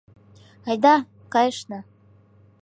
Айда, кайышна.